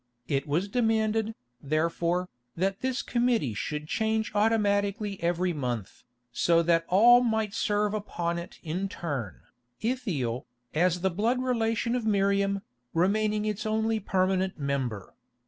It was demanded, therefore, that this committee should change automatically every month, so that all might serve upon it in turn, Ithiel, as the blood relation of Miriam, remaining its only permanent member.